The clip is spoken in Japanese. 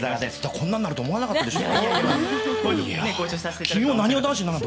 こんなんなると思わなかったでしょ？